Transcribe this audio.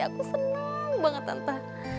aku senang banget tante